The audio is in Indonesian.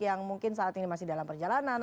yang mungkin saat ini masih dalam perjalanan